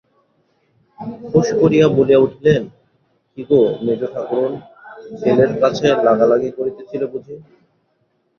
ফোঁস করিয়া বলিয়া উঠিলেন, কী গো মেজোঠাকরুণ, ছেলের কাছে লাগালাগি করিতেছিলে বুঝি?